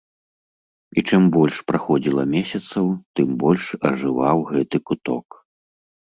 І чым больш праходзіла месяцаў, тым больш ажываў гэты куток.